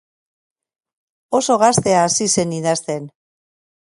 Oso gazte hasi zen idazten.